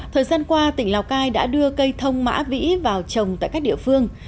thời gian qua tỉnh lào cai đã đưa cây thông mã vĩ vào trồng tại các địa phương